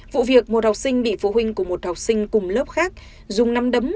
vụ việc một học sinh bị phụ huynh của một học sinh cùng lớp khác dùng năm đấm